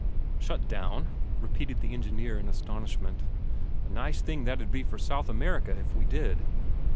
"Shut down?" repeated the engineer in astonishment. "A nice thing that'd be for South America if we did!"